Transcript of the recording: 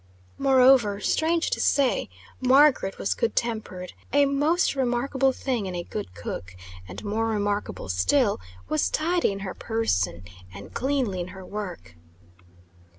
Moreover, strange to say, Margaret was good tempered, a most remarkable thing in a good cook; and more remarkable still, was tidy in her person, and cleanly in her work.